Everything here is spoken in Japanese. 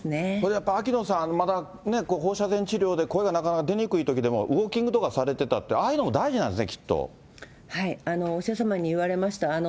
やっぱり秋野さん、まだ、ね、放射線治療で、声がなかなか出にくいときでも、ウォーキングとかされてたって、ああいうのも大事なんですね、きお医者様に言われました。